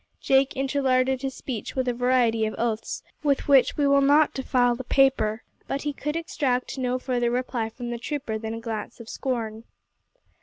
Jake interlarded his speech with a variety of oaths, with which we will not defile the paper, but he could extract no further reply from the trooper than a glance of scorn.